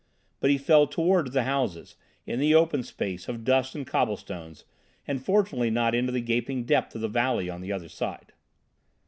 But he fell towards the houses, in the open space of dust and cobblestones, and fortunately not into the gaping depth of the valley on the farther side.